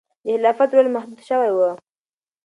د خلافت رول محدود شوی و.